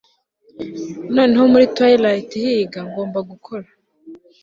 Noneho muri twilight ihiga ngomba gukora